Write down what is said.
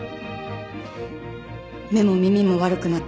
目も耳も悪くなって。